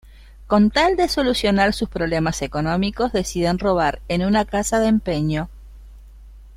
Con tal de solucionar sus problemas económicos, deciden robar en una casa de empeño.